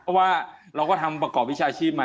เพราะว่าเราก็ทำประกอบวิชาชีพมา